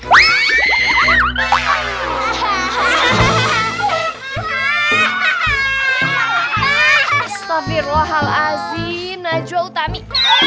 astagfirullahaladzim najwa utami